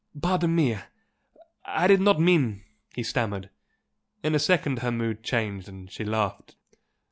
"Pardon me! I did not mean " he stammered. In a second her mood changed, and she laughed.